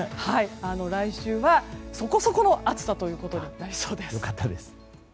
来週はそこそこの暑さになりそうです。